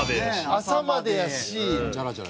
朝までジャラジャラ。